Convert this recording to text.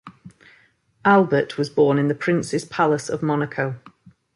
Albert was born in the Prince's Palace of Monaco.